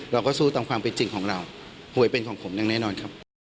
เราก็สู้ตามความเป็นจริงของเราป่วยเป็นของผมอย่างแน่นอนครับ